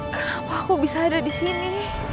kenapa aku bisa ada disini